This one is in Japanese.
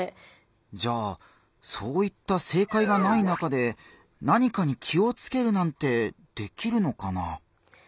じゃあそういった正解がない中で何かに気をつけるなんてできるのかな？